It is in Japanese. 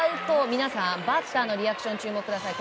皆さん、バッターのリアクションご注目ください。